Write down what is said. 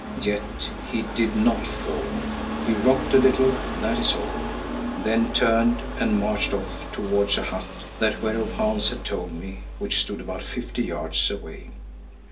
Yet he did not fall. He rocked a little, that is all, then turned and marched off towards a hut, that whereof Hans had told me, which stood about fifty yards away.